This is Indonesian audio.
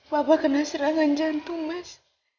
bapak kena serangan jantung mas